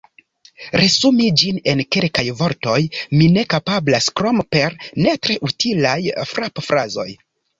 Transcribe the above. Resumi ĝin en kelkaj vortoj mi ne kapablas, krom per ne tre utilaj frapfrazoj.